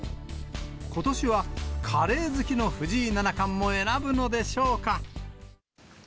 ことしはカレー好きの藤井七冠も選ぶのでしょうか。